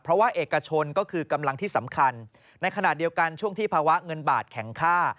เพราะว่าเอกชนก็คือกำลังที่สำคัญในขณะเดียวกันช่วงที่ภาวะเงินบาทแข็งค่า